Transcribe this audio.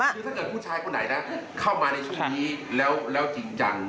คือถ้าเกิดผู้ชายคนไหนนะเข้ามาในช่วงนี้แล้วจริงจัง